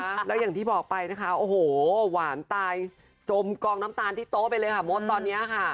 มันตามอีกที่บอกไปนะคะโอ้โหหวานตายจมกองน้ำตาลที่โต้เป็นเลยค่ะมดตอนนี้ค่ะ